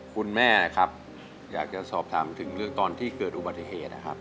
คุณแม่นะครับอยากจะสอบถามถึงเรื่องตอนที่เกิดอุบัติเหตุนะครับ